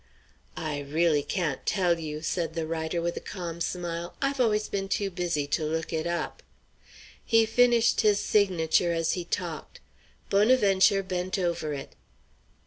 "I really can't tell you," said the writer, with a calm smile. "I've always been too busy to look it up." He finished his signature as he talked. Bonaventure bent over it.